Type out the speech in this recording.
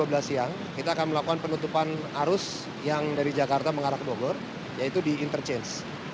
pukul dua belas siang kita akan melakukan penutupan arus yang dari jakarta mengarah ke bogor yaitu di interchange